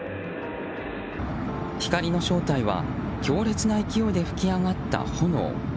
光の正体は強烈な勢いで噴き上がった炎。